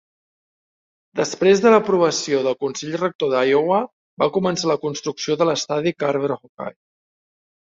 Després de l'aprovació del Consell Rector d'Iowa, va començar la construcció de l'estadi Carver-Hawkeye.